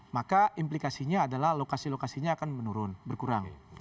maka implikasinya adalah lokasi lokasinya akan menurun berkurang